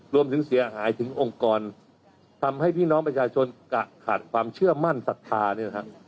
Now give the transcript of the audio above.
รวมถึงเสียหายถึงองค์กรทำให้พี่น้องประชาชนกะขาดความเชื่อมั่นศรัทธาเนี่ยนะครับ